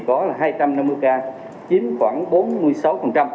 có là hai trăm năm mươi ca chiếm khoảng bốn mươi sáu